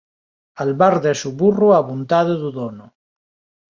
Albárdase o burro á vontade do dono